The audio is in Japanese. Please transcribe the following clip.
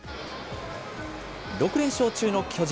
６連勝中の巨人。